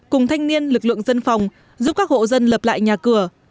cùng thanh niên lực lượng dân phòng giúp các hộ dân lập lại nhà cửa